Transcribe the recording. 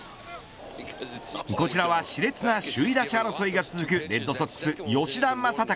こちらはし烈な首位打者争いが続くレッドソックス吉田正尚。